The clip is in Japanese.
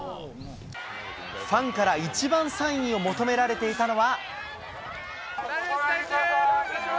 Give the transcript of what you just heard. ファンから一番サインを求められていたのは。